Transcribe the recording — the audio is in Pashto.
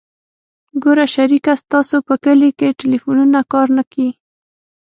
ګوره شريکه ستاسو په کلي کښې ټېلفون کار نه کيي.